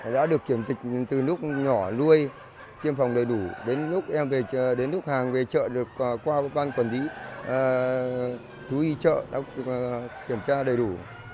đã được kiểm dịch từ lúc nhỏ nuôi kiêm phòng đầy đủ đến lúc hàng về chợ được qua ban quản lý thú y chợ đã được kiểm tra đầy đủ